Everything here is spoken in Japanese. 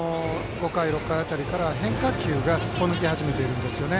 ５回、６回辺りからちょっと変化球がすっぽ抜け始めているんですよね。